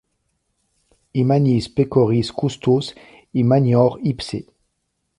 Immanis pecoris custos, immanior ipse !